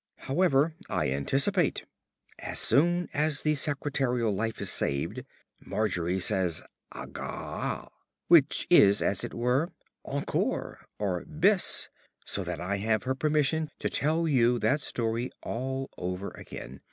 However, I anticipate. As soon as the secretarial life was saved, Margery said "Agga," which is as it were, "Encore," or "Bis," so that I have her permission to tell you that story all over again.